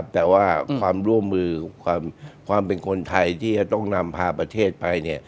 แต่ว่าความร่วมมือความเป็นคนไทยที่จะต้องนำพาประเทศไป